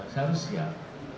ya harus siap